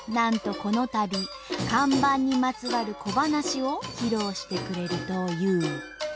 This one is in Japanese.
このたび看板にまつわる小ばなしを披露してくれるという。